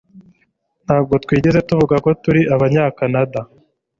Ntabwo twigeze tuvuga ko turi Abanyakanada